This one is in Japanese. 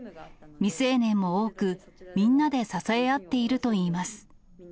未成年も多く、みんなで支え合っているといいます。